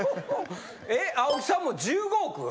青木さんも１５億？